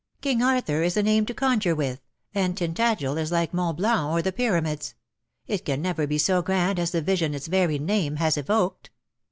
King Arthur is a name to conjure with, and Tintagel is like Mont Blanc or the Pyramids. It can never be so grand as the vision its very name has evoked."